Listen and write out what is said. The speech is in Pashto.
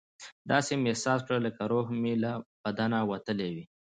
داسې مې احساس کړه لکه روح مې له بدنه وتلی وي.